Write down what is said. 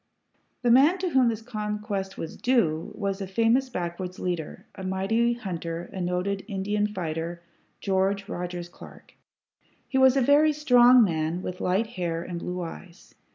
The man to whom this conquest was clue was a famous backwoods leader, a mighty hunter, a noted Indian fighter, George Rogers Clark. He was a very strong man, with light hair and blue eyes.